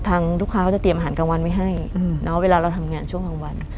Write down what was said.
ทางลูกค้าเขาจะเตรียมอาหารกลางวันไว้ให้เวลาเราทำงานช่วงกลางวัน